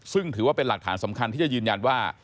ซึ่งถือว่าเป็นหลักฐานสำคัญที่จะยืนยันว่า